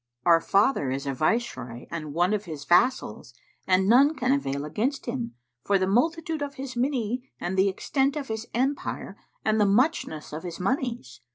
Our father is a Viceroy and one of his vassals and none can avail against him, for the multitude of his many and the extent of his empire and the muchness of his monies.